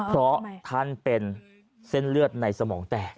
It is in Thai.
เพราะท่านเป็นเส้นเลือดในสมองแตก